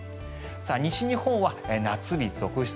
西日本は夏日続出